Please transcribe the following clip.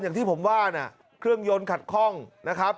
อย่างที่ผมว่านะเครื่องยนต์ขัดคล่องนะครับ